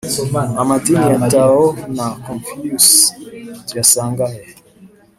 amadini ya tao na confucius tuyasanga he?